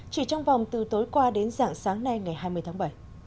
chỉ trong vòng từ tối qua đến dạng sáng nay ngày hai mươi tháng bảy